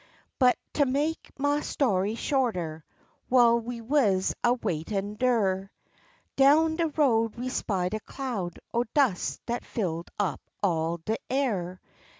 But to make ma story shorter, w'ile we wuz a waitin' der, Down de road we spied a cloud o' dus' dat filled up all de air.